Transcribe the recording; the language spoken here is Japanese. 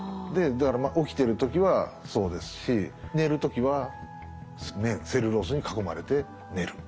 だから起きてる時はそうですし寝る時は綿セルロースに囲まれて寝る。